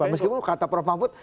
meskipun kata prof mahfud